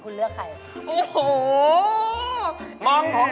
คุณเลือกใครบ้าง